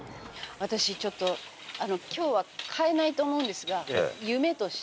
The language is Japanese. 私ちょっと今日は買えないと思うんですが夢として。